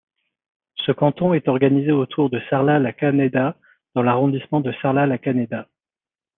Ce canton est organisé autour de Sarlat-la-Canéda dans l'arrondissement de Sarlat-la-Canéda.